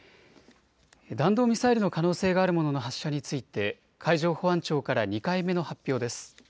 弾道ミサイルの可能性があるものの発射について海上保安庁から２回目の発表です。